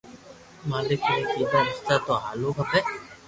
مالڪ ري ڪيدا رستہ تو ھالوُ کپي